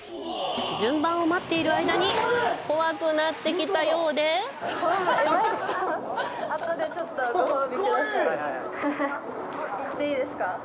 順番を待っている間に怖くなってきたようで行っていいですか？